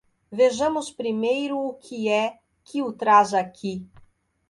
Vejamos primeiro o que é que o traz aqui.